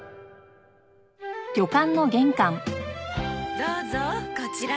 どうぞこちらへ。